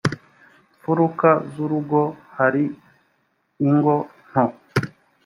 mfuruka z urugo hari ingo nto